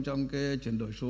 trong cái chuyển đổi số